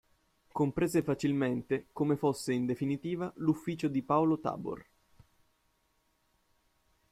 Comprese facilmente come fosse in definitiva l'ufficio di Paolo Tabor.